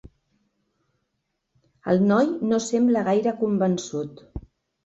El noi no sembla gaire convençut.